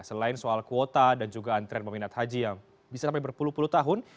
selain soal kuota dan juga antrean peminat haji yang bisa sampai berpuluh puluh tahun